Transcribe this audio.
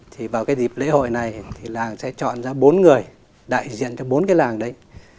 thì vào cái dịp lễ hội này thì làng sẽ chọn ra bốn người đại diện cho bốn cái làng đấy